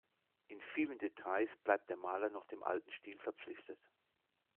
In vielen Details bleibt der Maler noch dem alten Stil verpflichtet.